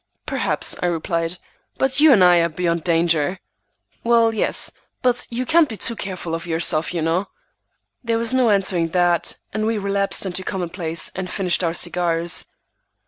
"Perhaps," I replied, "but you and I are beyond danger." "Well, yes, but you can't be too careful of yourself, you know." There was no answering that, and we relapsed into commonplace, and finished our cigars.